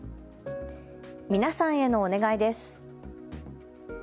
皆さんへのお願いです。